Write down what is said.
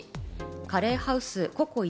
カレーハウスＣｏＣｏ壱